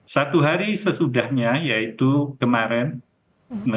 satu hari sesudahnya yaitu kemarin